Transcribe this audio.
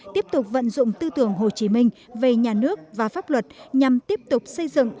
tiếp tục vận dụng tư tưởng hồ chí minh về nhà nước và pháp luật nhằm tiếp tục xây dựng